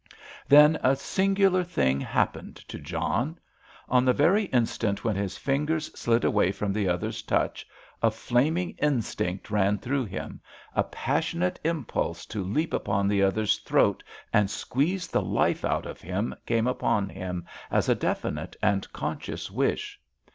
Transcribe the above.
Then a singular thing happened to John. On the very instant when his fingers slid away from the other's touch a flaming instinct ran through him—a passionate impulse to leap upon the other's throat and squeeze the life out of him came upon him as a definite and conscious wish.